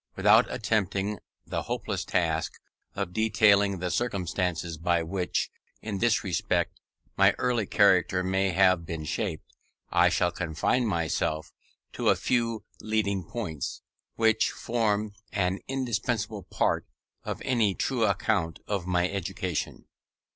Without attempting the hopeless task of detailing the circumstances by which, in this respect, my early character may have been shaped, I shall confine myself to a few leading points, which form an indispensable part of any true account of my education.